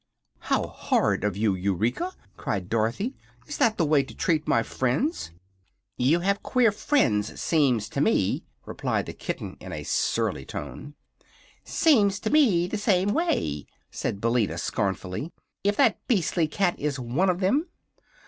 "How horrid of you, Eureka!" cried Dorothy. "Is that the way to treat my friends?" "You have queer friends, seems to me," replied the kitten, in a surly tone. "Seems to me the same way," said Billina, scornfully, "if that beastly cat is one of them."